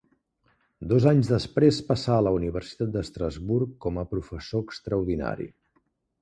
Dos anys després passà a la Universitat d'Estrasburg com a professor extraordinari.